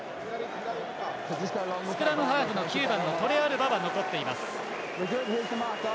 スクラムハーフの９番のトレアルバは残っています。